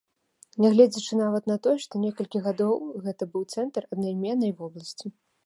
Нягледзячы нават на тое, што некалькі гадоў гэта быў цэнтр аднайменнай вобласці.